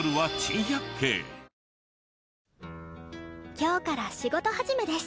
今日から仕事始めです